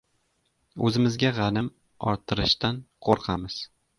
O‘zimizga g‘anim orttirishdan qo‘rqamiz.